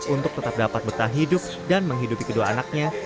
untuk tetap dapat betah hidup dan menghidupi kedua anaknya